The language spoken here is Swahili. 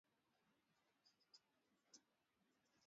Chai imechemka